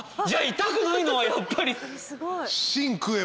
じゃあ痛くないのはやっぱり。